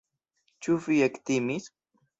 Ĉu vi ektimis?